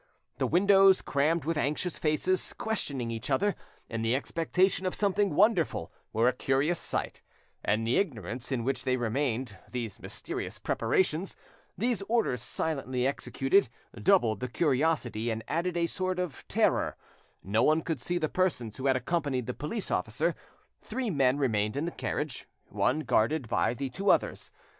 The windows, crammed with anxious faces, questioning each other, in the expectation of something wonderful, were a curious sight; and the ignorance in which they remained, these mysterious preparations, these orders silently executed, doubled the curiosity, and added a sort of terror: no one could see the persons who had accompanied the police officer; three men remained in the carriage, one guarded by the two others.